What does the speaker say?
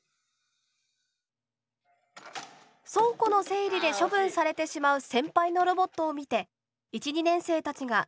倉庫の整理で処分されてしまう先輩のロボットを見て１・２年生たちがいちから作りました。